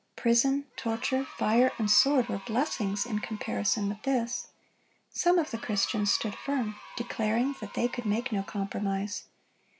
Prison, torture, fire, and sword were blessings in comparison with this. Some of the Christians stood firm, declaring that they could make no compromise.